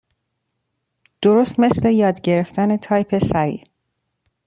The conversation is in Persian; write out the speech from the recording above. درست مثل یاد گرفتن تایپ سریع.